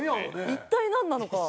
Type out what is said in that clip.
一体なんなのか？